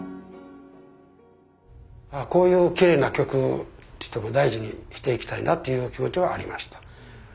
あこういうきれいな曲とても大事にしていきたいなという気持ちはありました。